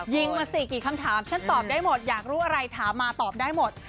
ยิงมาสี่กี่คำถามฉันตอบได้หมดอยากรู้อะไรถามมาตอบได้หมด